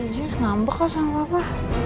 ya sengambek lah sama papa